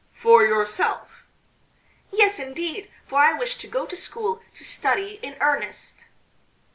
"For yourself?" "Yes, indeed, for I wish to go to school to study in earnest."